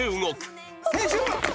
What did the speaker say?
青春！